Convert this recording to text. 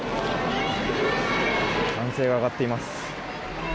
歓声が上がっています。